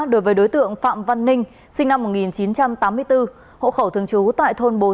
đối với đối tượng phạm văn ninh sinh năm một nghìn chín trăm tám mươi bốn hộ khẩu thường trú tại thôn bốn